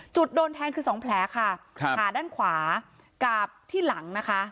โดนแทงคือสองแผลค่ะครับขาด้านขวากับที่หลังนะคะ